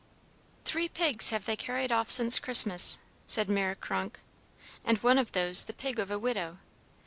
"Three pigs have they carried off since Christmas," said Mère Kronk, "and one of those the pig of a widow!